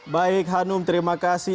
baik hanum terima kasih